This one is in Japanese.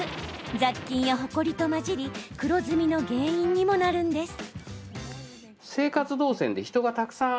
雑菌や、ほこりと混じり黒ずみの原因にもなるんです。